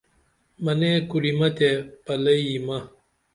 منے کُریمہ تے پلئی یمہ